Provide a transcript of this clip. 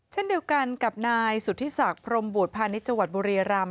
เช่นเดียวกันกับนายสุธิศักดิ์พรมบวชพาณิชย์จังหวัดบุรีรำ